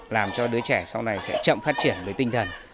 làm cho đứa trẻ sau này sẽ chậm phát triển với tinh thần